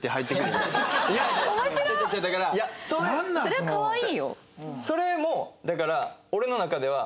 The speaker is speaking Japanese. それかわいいよ。